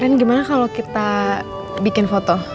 ini gimana kalau kita bikin foto